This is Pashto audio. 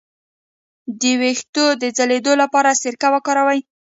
د ویښتو د ځلیدو لپاره سرکه وکاروئ